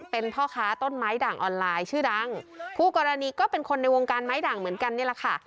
เป็นพ่อค้าต้นไม้ด่างออนไลน์ชื่อดังคู่กรณีก็เป็นคนในวงการไม้ด่างเหมือนกันนี่แหละค่ะ